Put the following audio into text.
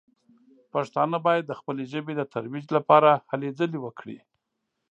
پښتانه باید د خپلې ژبې د ترویج لپاره هلې ځلې وکړي.